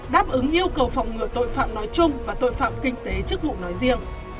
đáp ứng yêu cầu phòng ngừa tội phạm nói chung và tội phạm kinh tế chức vụ nói riêng